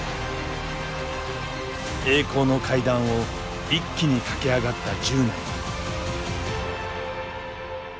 栄光の階段を一気に駆け上がった１０年。